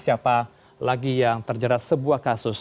siapa lagi yang terjerat sebuah kasus